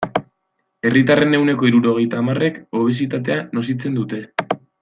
Herritarren ehuneko hirurogeita hamarrek obesitatea nozitzen dute.